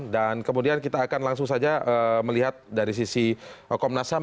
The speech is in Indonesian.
dan kemudian kita akan langsung saja melihat dari sisi komnas ham